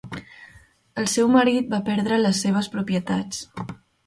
El seu marit va perdre les seves propietats.